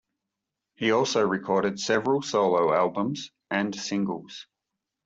He also recorded several solo albums and singles.